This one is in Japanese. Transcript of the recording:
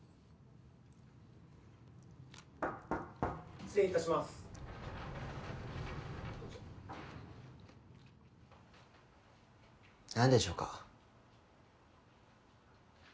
・失礼いたします・何でしょうか。